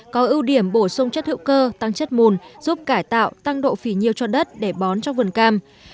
có ưu điểm bổ sung chất hữu cơ tăng chất mùn giúp cải tạo tăng độ phỉ nhiêu cho đất để bón cho vườn cam